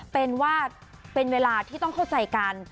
เป็นว่าเป็นเวลาที่ต้องเข้าใจกัน